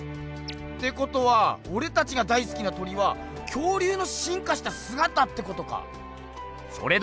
ってことはおれたちが大すきな鳥は恐竜のしんかしたすがたってことか？